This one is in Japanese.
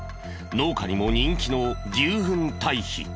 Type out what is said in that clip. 農家にも人気の牛ふん堆肥。